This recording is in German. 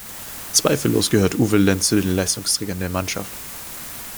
Zweifellos gehört Uwe Lendt zu den Leistungsträgern der Mannschaft.